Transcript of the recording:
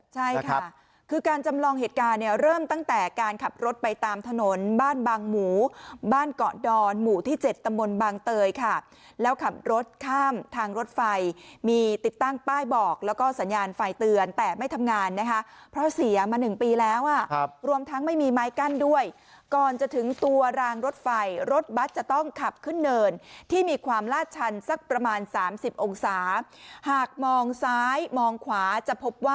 ใช่ค่ะคือการจำลองเหตุการณ์เนี่ยเริ่มตั้งแต่การขับรถไปตามถนนบ้านบางหมูบ้านเกาะดอนหมู่ที่๗ตำบลบางเตยค่ะแล้วขับรถข้ามทางรถไฟมีติดตั้งป้ายบอกแล้วก็สัญญาณไฟเตือนแต่ไม่ทำงานนะคะเพราะเสียมา๑ปีแล้วอ่ะรวมทั้งไม่มีไม้กั้นด้วยก่อนจะถึงตัวรางรถไฟรถบัตรจะต้องขับขึ้นเนินที่มีความลาดชันสักประมาณ๓๐องศาหากมองซ้ายมองขวาจะพบว่า